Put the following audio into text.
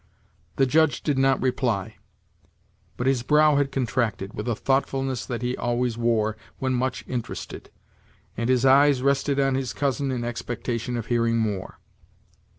The Judge did not reply, but his brow had contracted, with a thoughtfulness that he always wore when much interested, and his eyes rested on his cousin in expectation of hearing more.